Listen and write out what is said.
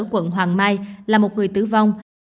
quận hoàng mai là một người tử vong